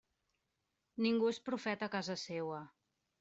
Ningú és profeta en casa seua.